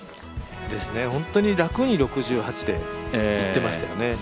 本当に楽に６８でいっていましたよね。